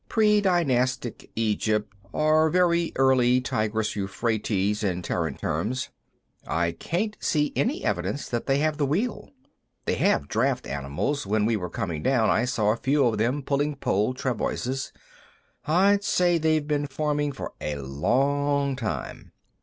Pre dynastic Egypt, or very early Tigris Euphrates, in Terran terms. I can't see any evidence that they have the wheel. They have draft animals; when we were coming down, I saw a few of them pulling pole travoises. I'd say they've been farming for a long time.